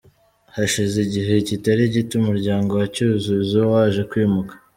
Hashize igihe kitari gito umuryango wa Cyuzuzo waje kwimuka .